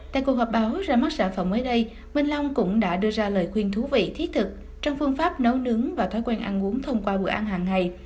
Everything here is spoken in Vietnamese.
tại cuộc họp báo ra mắt sản phẩm mới đây minh long cũng đã đưa ra lời khuyên thú vị thiết thực trong phương pháp nấu nướng và thói quen ăn uống thông qua bữa ăn hàng ngày